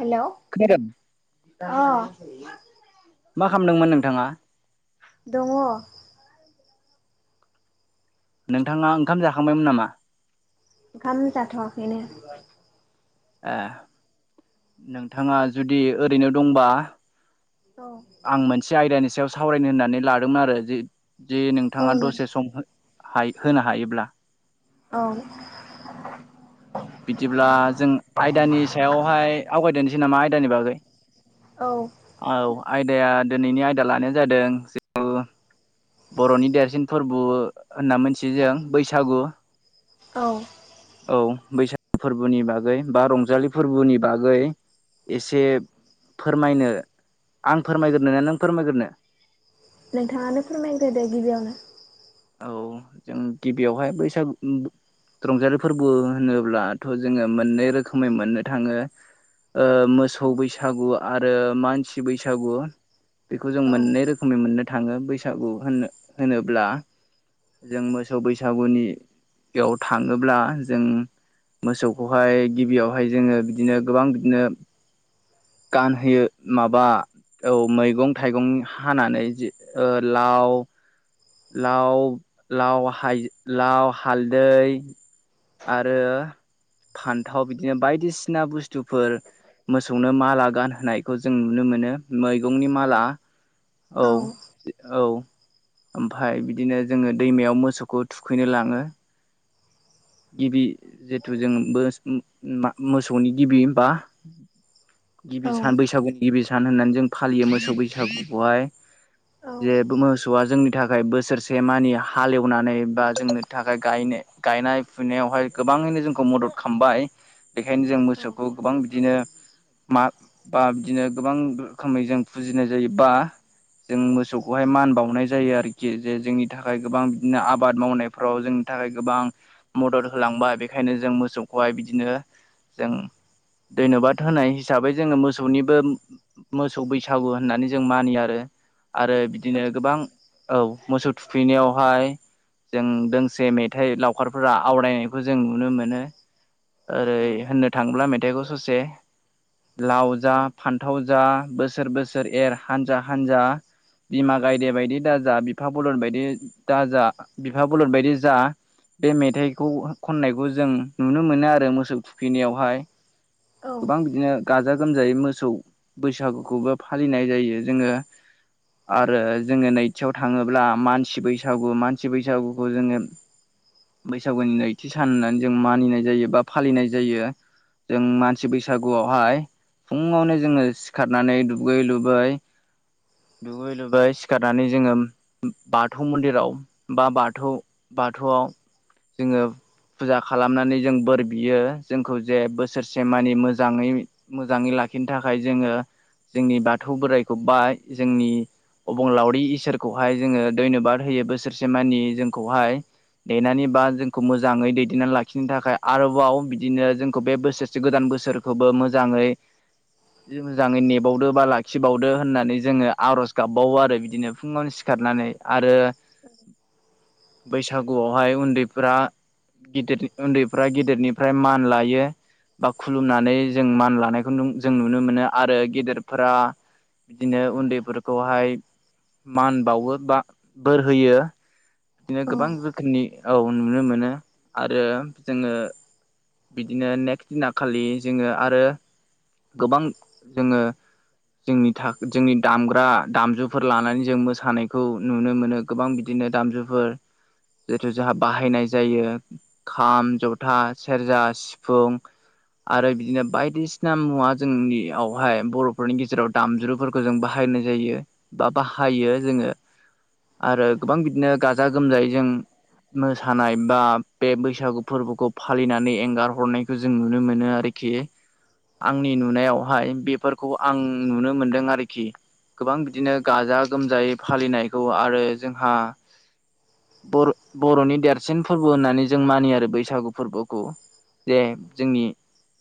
हेल'? खोनादों। [inaudible] अ। मा खालामदोंमोन नोंथाङा? दङ। नोंथाङा ओंखाम जाखांबायमोन नामा? ओंखाम जाथ'वाखैनो। ए नोंथाङा जुदि ओरैनो दंबा औ आं मोनसे आयदानि सायाव सावरायनो होननानै लादोंमोन आरो जि जिस औ नोंथाङा नों दसे सम हाय होनो हायोब्ला? औ। बिदिब्ला जों आयदानि सायावहाय आवगायदोनसै नामा आयदानि बागै। औ। औ आयदाया दोनैनि आयदा लानाया जादों। बर'नि देरसिन फोरबो होनना मिथियो जों बैसागु। औ औ बैसागु फोरबोनि बागै बा रंजालि फोरबोनि बागै एसे फोरमायनो आं फोरमायग्रोनो ना नों फोरमायगोरनो? नोंथाङानो फोरमायग्रोदो गिबियावनो। औ [inaudible] जों गिबियावहाय बैसागु रंजालि फोरबो होनोब्लाथ' जोङो मोननै रोखोमै मोननो थाङो। ओ औ मोसौ बैसागु आरो मानसि बैसागु बेखौ जों औ मोननै रो खोमै मोननो थाङो बैसागु होननो होनोब्ला जों मोसौ बैसागुनियाव थाङोब्ला जों मोसौखौहाय गिबियावहाय जोङो बिदिनो गोबां बिदिनो गानहोयो माबा? औ मैगं थाइगं हानानै जि ओ लाव लाव लाव हाय लाव हालदै। आरो फान्थाव बिदिनो बायदिसिना बुस्थुफोर मोसौनो माला गानहोनायखौ जों नुनो मोनो। मैगंनि औ माला औ औ। ओमफाय बिदिनो जोङो दैमायाव मोसौखौ थुखैनो लाङो। गिबि जेथु जों बोस मोसौनि गिबि बा [inaudible] गिबि सान बैसागुनि गिबि सान होननानै जों फालियो मोसौ बैसागुखौहाय। औ जे बे मोसौआ जोंनि थाखाय बोसोरसे मानि हालेवनानै बा जोंनो थाखाय गायनो गायनाय। फुनायावहाय गोबाङैनो जोंखौ मदद खामबाय बेखायनो जों औ मोसौखौ गोबां बिदिनो मा बा बिदिनो गोबां रोखोमै जों फुजिनाय जायो बा जों मोसौखौहाय मान बावनाय जा यो आरोखि जे जोंनि थाखाय गोबां बिदिनो आबाद मावनायफ्राव जोंनि थाखाय गोबां। मदद होलांबाय बेखायनो जों मोसौखौहाय बिदिनो जों धोन्यबाद होनाय हिसाबै जोङो मोसौनिबो मोसौ बैसागु होननानै जों मानियो आरो आरो बिदिनो गोबां औ मोसौ थुखैनायावहाय जों दोंसे मेथाइ लावखारफोरा आवरायनायखौ जों नुनो मोनो। ओरै होननो थाङोब्ला मेथाइखौ ससे लाव जा फान्थाव जा बोसोर बोसोर एर हानजा हानजा बिमा गायदे बायदि दाजा बिफा बलद बायदि दाजा बिफा बलद बायदि जा। बे मेथाइखौ खननायखौ जों नुनो मोनो आरो मोसौ थुखैनायावहाय। गोबां बिदिनो गाजा गोमजायै मोसौ बैसागुखौबो फालिनाय जायो जोङो। आरो जोङो नै थियाव थाङोब्ला मानसि बैसागु। मानसि बैसागुखौ जोङो बैसागुनि नैथि सान होननानै जों मानिनाय जायो बा फालिनाय जायो। जों मानसि बैसागुआवहाय फुङावनो जोङो सिखारनानै दुगै लुबै दुगै लोबै सिखारनानै जोङो बाथौ मन्दिराव बा बाथौ बाथौआव जोङो फुजा खालामनानै जों बोर बियो। जोंखौ जे बोसोरसे मानि मोजाङै मोजाङै लाखिनो थाखाय जोङो जोंनि बाथौ बोराइखौ बा जोंनि अबंलावरि इसोरखौहाय जोङो धयन्य'बाद होयो बोसोरसे मानि जोंखौहाय देनानै बा जोंखौ मोजाङै दैदेननानै लाखिनो थाखाय आरोबाव बिदिनो जोंखौ बे बोसोरसे गोदान बोसोर खौबो मोजाङै मोजाङै नेबावदो बा लाखिबावदो होननानै जोङो आर'ज गाबबावो आरो बिदिनो फुङावनो सिखारनानै। आरो बैसागुआवहाय उन्दैफोरा गिदिर उन्दैफ्रा गिदिरनिफ्राय मान लायो। बा खुलुमनानै जों मान लानायखौ नों जों नुनो मोनो। आरो गेदेरफोरा बिदिनो उन्दैफोरखौहाय मान बावो बा बोर होयो। बिदिनो गोबां रोखोमनि औ नुनो मोनो। आरो जोङो बिदिनो नेक्स्ट दिना खालि जोङो आरो गोबां जोङो जोंनि था जोंनि दामग्रा दामजुफोर लानानै जों मोसानायखौ नुनो मोनो। गोबां बिदिनो दामजुफोर जिथु जोंहा बाहायनाय जायो। खाम, जथा, सेरजा, सिफुं आरो बिदिनो बायदिसि ना मुवा जोंनियावहाय बर'फोरनि गेजेराव दामज्रुफोरखौ जों बाहायनाय जायो बा बाहायो जोङो। आरो गोबां बिदिनो गाजा गोमजायै जों मोसानाय बा बे बैसागु फोरबोखौ फालिनानै एंगार हरनायखौ जों नुनो मोनो आरोखि। आंनि नुनायावहाय बेफोरखौ आं नुनो मोनदों आरोखि। गोबां बिदिनो गाजा गोमजायै फालिनायखौ आरो जोंहा बर'-बर'नि देरसिन फोरबो होननानै जों मानियो आरो बैसागु फोरबोखौ। जे जोंनि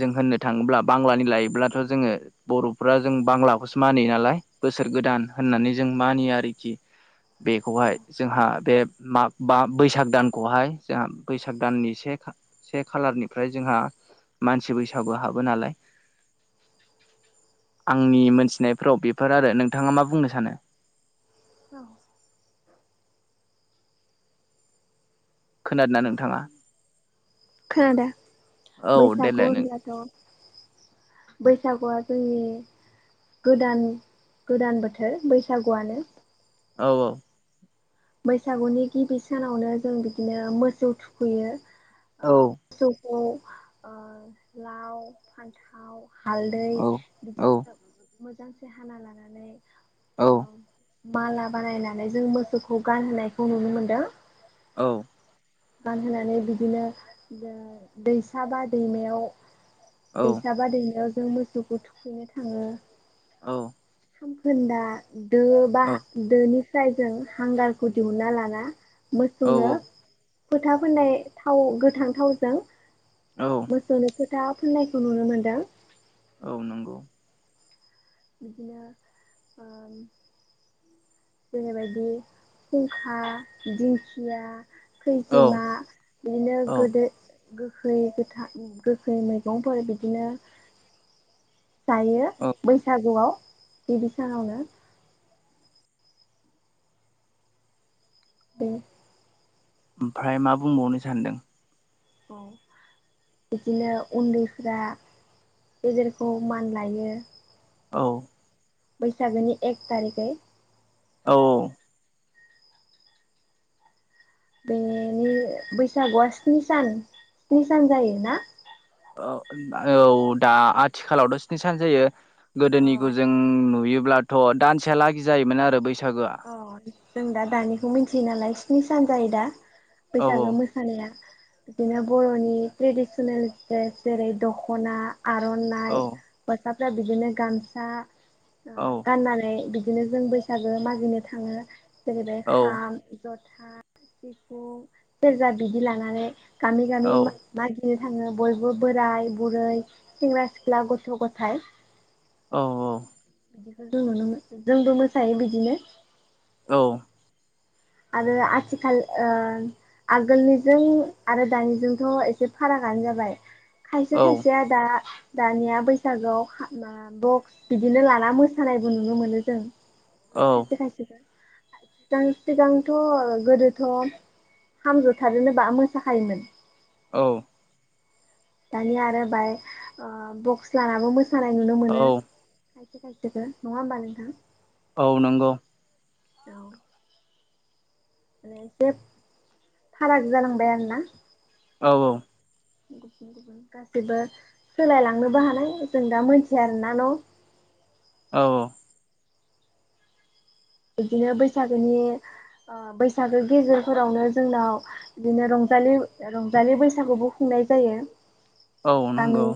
जों होननो थाङोब्ला बांलानि लायोब्लाथ' जोङो बर'फ्रा जों बांलाखौसो मानियो नालाय? बोसोर गोदान होननानै जों मानियो आरोखि। [inaudible] बेखौहाय जोंहा बे माग बा बैसाग दानखौहाय जोंहा बैसाग दाननि से खा से खालारनिफ्राय जोंहा मानसि बैसाबो हाबो नालाय? आंनि मोनथिनायफ्राव बेफोर आरो। नोंथाङा मा बुंनो सानो? औ। खोनादोंना नोंथाङा? खोनादों। औ बैसागु देलाय नों होमब्लाथ' बैसागुआ जोंनि गोदान गोदान बोथोर बैसागुआनो। औ औ। बैसागुनि गिबि सानावनो जों बिदिनो मोसौ थुखैयो। ओ औ। मोसौखौ ओ लाव फान्थाव हालदै औ बिदिनो मोजांसे हाना लानानै औ ओ माला बानायनानै जों मोसौखौ गानहोनायखौ नुनो मोनदों। औ। गानहोनानै बिदिनो दैसा बा दैमायाव औ दैसा बा दैमायाव जों मोसौखौ थुखैनो थाङो। औ खामखोन्दा दो बा औ दोनिफ्राय जों हांगारखौ दिहुनना लाना औ मोसौनो फोथा फोननाय थाव गोथां थावजों औ मोसौनो फोथा फुननायखौ नुनो मोनदों। औ नंगौ। बिदिनो ओम जेरैबायदि खुंखा, दिंखिया, खैजिमा, औ बिदिनो औ गोदो गोखै गोथा गोखै मैगंफोर बिदिनो जायो औ बैसागुआव गिबि सानावनो बे ओमफाय मा बुंबावनो सानदों? औ बिदिनो उन्दैफ्रा गेदेरखौ मान लायो। औ बैसागोनि एक थारिखै। औ औ। बेनि बैसागुआ स्नि सान स्नि सान जायोना? औ औ दा आथिखालावथ' स्नि सान जायो। अ गोदोनिखौ जों नुयोब्लाथ' दानसेयालागै जायोमोन आरो बैसागोआ। अ जों दा दानिखौ मिनथियो नालाय स्नि सान जायो दा औ बैसागो मो सानाया बिनो बर'नि ट्रेडिसनेल द्रेस जेरै दख'ना आर'नाइ औ हौवासाफ्रा बिदिनो गामसा ओ औ गाननानै बिदिनो जों बैसागो मागिनो थाङो जेरै औ खाम जथा, सिफुं, सेरजा, बिदि लानानै गामि औ गामि मा मागिनो थाङो बयबो बोराय बुरै, सेंग्रा सिख्ला, गथ' गथाय। औ बिदिखौ जों नुनो मोन जोंबो मोसायो बिदिनो। औ आरो आथिखाल ओ आगोलनिजों आरो दानिजोंथ' एसे फारागानो जाबाय खायसे खायसेया दा दानिया बैसागोआव खा मा खाम बक्स बिदिनो लाना मोसानायबो नुनो मोनो जों। खायसे औ खायसेखो सिगां सिगांथ' गोदोथ' खाम जथाजोंनो बा मोसाखायोमोन। औ दानिया आरो बाय ओ बक्स लानाबो मोसानाय नुनो औ मोनो। खायसे खायसेखो नङा होमबा नोंथां? औ नंगौ। औ माने एसे फाराग जालांबाय आरोना। औ औ। गुबुन गुबुन गासैबो सोलायलांनोबो हानाय जों दा मोनथिया आरोना न'? औ बिदिनो बैसागोनि ओ बैसागो गेजेरफोरावनो जोंनाव बिदिनो रंजालि रंजालि बैसागुबो खुंनाय जायो। औ गामि नंगौ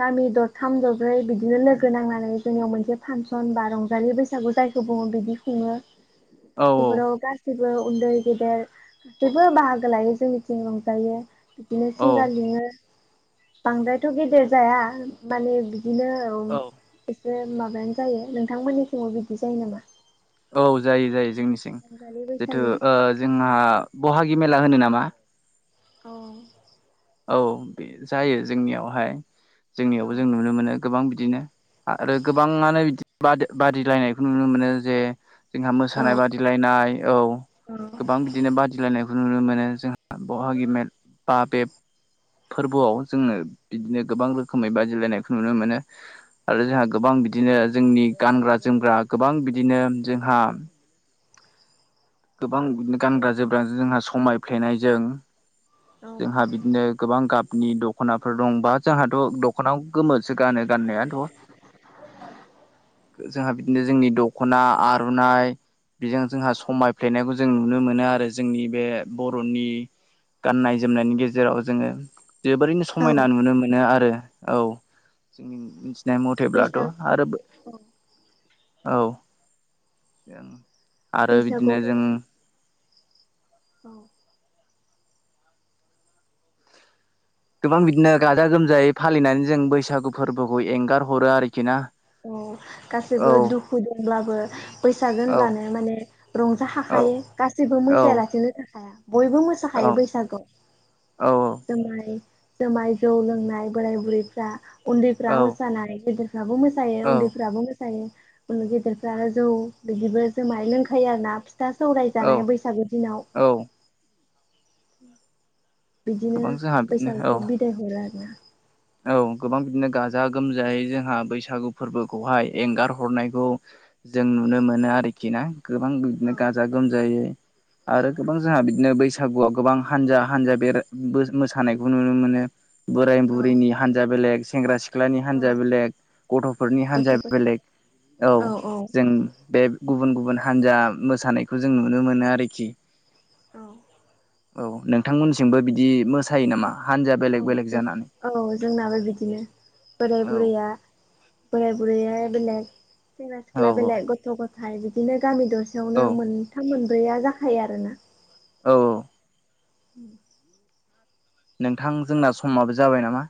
गामि दरथाम दरब्रै बिदिनो लोगो नांनानै जोंनियाव मोनसे फांसन बा रंजालि बैसाग सागु जायखौ बुङो बिदि खुङो औ बेफोराव गा जेबो उन्दै गेदेर जेबो बाहागो लायो जोंनिथिं रंजायो। बिदिनो औ सिंगार लिङो बांद्रायथ' गेदेर जाया माने बिदिनो। औ एसे माबायानो जायो। नोंथांमोननि सिङाव बिदि जायो नामा? औ जायो जायो जोंनिसिं रंजालि जिथु बैसागु ओ जोंहा बहागि मेला होनो नामा। औ। औ बे जायो जोंनियावहाय जोंनियावबो जों नुनो मोनो। गोबां बिदिनो आरो गोबाङानो बिदि बादि बादिलायनायखौ नुनो मोनो जे। जोंहा औ मोसानाय बादिलायनाय औ औ गोबां बिदि। बिदिनो बादिलायनायखौ नुनो मोनो जोंहा बहागि म बा बेब फोरबोआव जोङो बिदिनो गोबां रोखोमै बादिलायनायखौ नुनो मोनो। आरो जोंहा गोबां बिदिनो जोंनि गानग्रा जोमग्रा गोबां बिदिनो जोंहा गोबां बिदिनो गानग्रा जोमग्रा जोंहा समायफ्लेनायजों जोंहा बिदिनो गोबां गाबनि दख'नाफोर दं बा जोंहाथ' दख खनाव गोमोसो गानो गाननायाथ'। जोंहा बिदिनो जोंनि दख'ना आर'नाइ बिजों जोंहा समाय फ्लेनायखौ जों नुनो मोनो आरो जोंनि बे बर'नि। गाननाय जोमनायनि गेजेराव जोङो जोबोरैनो समायना नुनो मोनो आरो औ जोंनिथि। [unintelligible] जनाय मथेब्लाथ' बैसाग आरो औ औ जों आरो बिदिनो बैसागोआव थ। औ। गोबां बिदिनो गाजा गोमजायै फालिनानै जों बैसागु फोरबोखौ एंगार हरो आरोखि ना। औ औ गासैबो दुखु दंब्लाबो। बैसागो औ होनब्लानो माने औ रंजाखाखायो गासिबो औ मोसायालासेनो थाखायाया। बयबो मोसाखायो औ बैसागुआव।। औ औ जामाय जुमाय जौ लोंनाय बोराय बुरैफ्रा उन्दैफ्रा औ मोसानाय गिदिर दाबो मोसायो औ उन्दैफ्राबो मोसा। सायो उन्दै गेदेरफ्रा जौ बिदिबो जु माय लोंखायो आरोना फि था सौरायजानाय औ बैसागु दिनाव। औ बिदिनो गोबां जोंहा बिदिनो औ बैसाागखौ बिदाय हरो आरोना। औ गोबां बिदिनो गाजा गोमजायै जोंहा बैसागु फोरबोखौहाय एंगार हरनायखौ। जों नुनो मोनो आरोखि ना गोबां बिदिनो गाजा गोमजायै। आरो गोबां जोंहा बिदिनो बैसागुआव गोबां हानजा हानजा बेराय मोसानायखौ नुनो मोनो। बोराय औ बुरैनि हान्जा बेलेग सेंग्रा सिख सिख्लानि औ हान्जा बेलेग गथ'फोरनि गथ' हान्जाया गथ बेलेग औ जों बे गुबुन गुबुन हान्जा मोसानायखौ जों नुनो मोनो आरोखि। औ। औ नोंथांमोनसिमबो बिदि मोसायो नामा हानजाया औ बेलेग बेलेग जों जानानै? औ जोंनाबो बिदिनो बोराय औ बुरया बोराय बुरैया बेलेग। सेंग्रा औ सिख्ला बेलेग गथ' गथाय बिदिनो गामि औ दसेयावनो मोनथाम मोनब्रैया जाखायो आरो ना। औ औ। उम। नोंथां जोंना समाबो जाबाय नामा।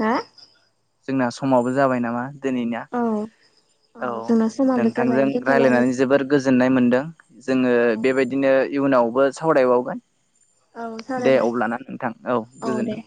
हा। जोंना समावबो जाबाय नामा। दिनैनाा औ औ जोंना समाबो जाबाय नोंथांजों रायज्लायनानै दोनथ'लायनोसै जोबोर। गोजोननाय मोन्दों जोङो औ बेबायदिनो इयुनावबो सावरायबावगोन। औ दे सावरायबाय अब्लाना नोंथां औ गोजोन्थों।